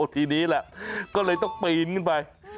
ทีนี้แหละก็เลยต้องปีนขึ้นไป